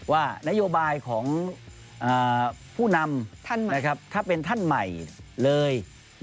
ว่านโยบายของผู้นำถ้าเป็นท่านใหม่เลย